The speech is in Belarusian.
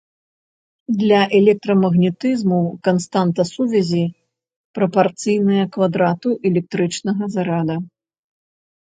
Для электрамагнетызму канстанта сувязі прапарцыйная квадрату электрычнага зарада.